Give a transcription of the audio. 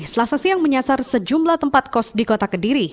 selasa siang menyasar sejumlah tempat kos di kota kediri